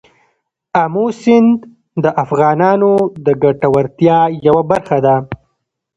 آمو سیند د افغانانو د ګټورتیا یوه برخه ده.